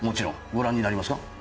ご覧になりますか？